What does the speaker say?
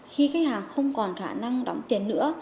khi khách hàng không còn khả năng đóng tiền nữa